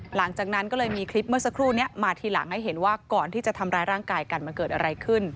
หลังจากนั้นก็เลยมีคลิปเมื่อสักครู่นี้มาทีหลังให้เห็นว่าก่อนที่จะทำร้ายร่างกายกันมันเกิดอะไรขึ้น